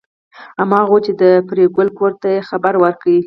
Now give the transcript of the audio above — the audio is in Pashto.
هماغه وه چې د پريګلې کور ته یې خبر ورکړ